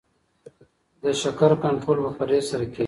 د شکر کنټرول په پرهیز سره کیږي.